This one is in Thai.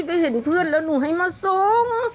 ไปเห็นเพื่อนแล้วหนูให้มาส่ง